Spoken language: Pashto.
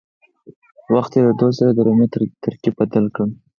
وخت تېرېدو سره یې د رمې ترکیب بدل کړ.